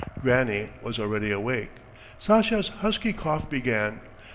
Granny was already awake. Sasha's husky cough began.